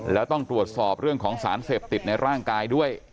แล้วต้องตรวจสอบเรื่องของสารเสพติดในร่างกายด้วย